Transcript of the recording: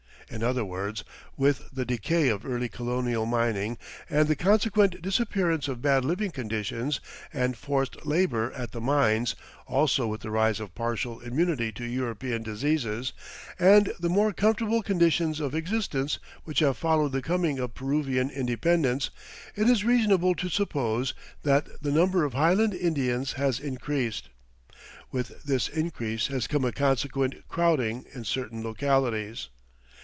In other words, with the decay of early colonial mining and the consequent disappearance of bad living conditions and forced labor at the mines, also with the rise of partial immunity to European diseases, and the more comfortable conditions of existence which have followed the coming of Peruvian independence, it is reasonable to suppose that the number of highland Indians has increased. With this increase has come a consequent crowding in certain localities.